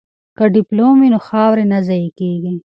که ډیپلوم وي نو خواري نه ضایع کیږي.